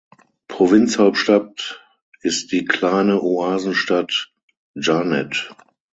Provinzhauptstadt ist die kleine Oasenstadt Djanet.